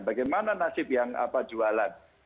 bagaimana nasib yang jualan